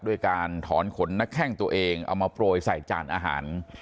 ด้วยการถอนขนนักแข้งตัวเองเอามาโปรยใส่จานอาหาร